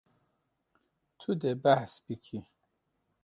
Tu dê behs bikî.